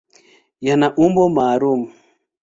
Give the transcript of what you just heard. Hayana umbo maalum.